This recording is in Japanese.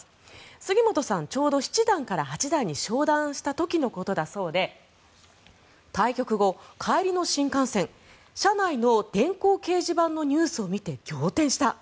杉本さん、ちょうど七段から八段に昇段した時のことだそうで対局後、帰りの新幹線車内の電光掲示板のニュースを見て仰天した。